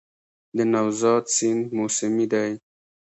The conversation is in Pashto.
د نوزاد سیند موسمي دی